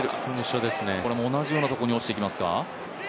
同じようなところに落ちてきますか。